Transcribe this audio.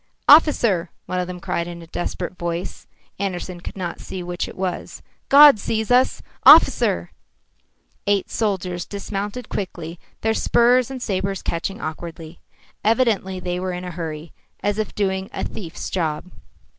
"Officer!" one of them cried in a desperate voice Andersen could not see which it was "God sees us! Officer!" Eight soldiers dismounted quickly, their spurs and sabres catching awkwardly. Evidently they were in a hurry, as if doing a thief's job.